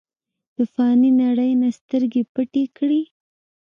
د فانې نړۍ نه سترګې پټې کړې ۔